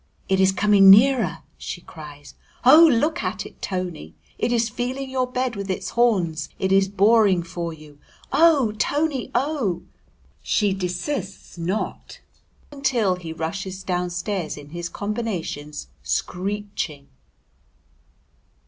"It is coming nearer!" she cries; "Oh, look at it, Tony! It is feeling your bed with its horns it is boring for you, oh, Tony, oh!" and she desists not until he rushes downstairs in his combinations, screeching.